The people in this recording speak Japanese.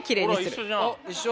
ほら一緒じゃん。